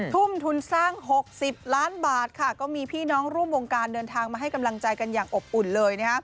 ทุ่มทุนสร้าง๖๐ล้านบาทค่ะก็มีพี่น้องร่วมวงการเดินทางมาให้กำลังใจกันอย่างอบอุ่นเลย